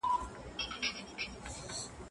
د حکومت کولو علم په هره ټولنه کې اړين دی.